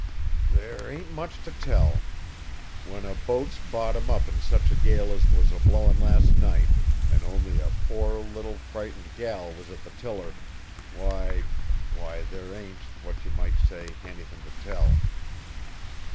"There ain't much t' tell. When a boat's bottom up in such a gale as was a blowin' last night, an' only a poor, little frightened gal was at the tiller, why why there ain't, what you might say, anythin' t' tell."